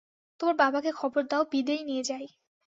তোমার বাবাকে খবর দাও, বিদেয় নিয়ে যাই।